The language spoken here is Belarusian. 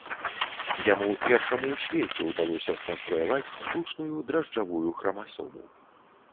Яму першаму ў свеце ўдалося сканструяваць штучную дражджавую храмасому.